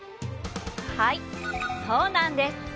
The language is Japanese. はいそうなんです。